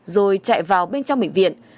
rồi chạy vào bên trong bệnh viện